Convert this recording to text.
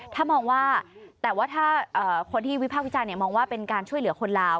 ถ้ามองว่าแต่ว่าถ้าคนที่วิพากษ์วิจารณ์มองว่าเป็นการช่วยเหลือคนลาว